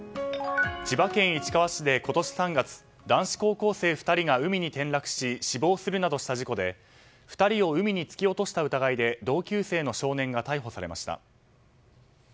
千葉県市川市で今年３月男子高校生２人が海に転落し死亡するなどした事故で２人を海に突き落とした疑いで同級生の少年が逮捕されました。